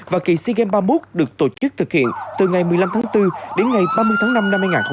và kỳ sea games ba mươi một được tổ chức thực hiện từ ngày một mươi năm tháng bốn đến ngày ba mươi tháng năm năm hai nghìn hai mươi bốn